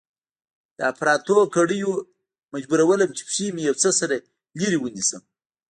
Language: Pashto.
د اپراتو کړيو مجبورولم چې پښې مې يو څه سره لرې ونيسم.